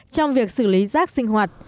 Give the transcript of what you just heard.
trong việc xử lý rác sinh hoạt